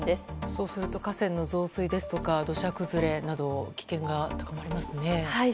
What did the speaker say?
そうすると河川の増水ですとか土砂崩れなど危険が高まりますね。